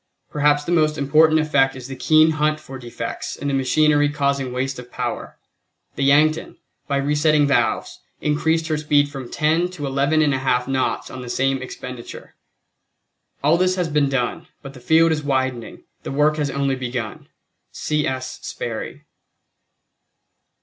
Perhaps the most important effect is the keen hunt for defects in the machinery causing waste of power. The Yankton by resetting valves increased her speed from 10 to 11 1/2 knots on the same expenditure. All this has been done, but the field is widening, the work has only begun. C. S. SPERRY.